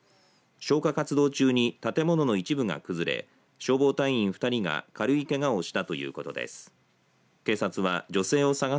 消火活動中に建物の一部が崩れ消防隊員２人が軽いけがをしたということです。